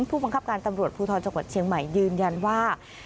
ผู้บังคับการตำรวจภูทรจังหวัดเชียงใหม่ยืนยันว่า